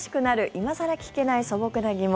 今更聞けない素朴な疑問